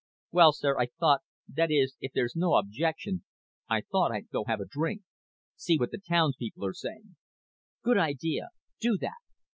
"Well, sir, I thought that is, if there's no objection I thought I'd go have a drink. See what the townspeople are saying." "Good idea. Do that."